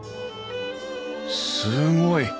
すごい！